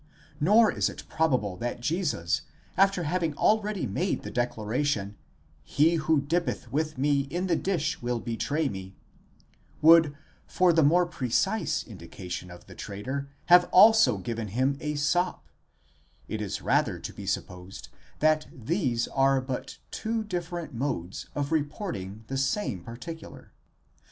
* Nor is it probable that Jesus, after having already made the declaration: he who dippeth with me in the dish will betray me, would for the more precise indication of the traitor have also given him a sop; it is rather to be supposed that these are but two different modes of reporting the same particular.